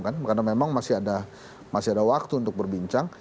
karena memang masih ada waktu untuk berbincang